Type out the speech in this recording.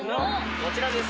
こちらです。